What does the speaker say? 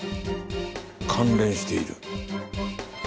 関連している。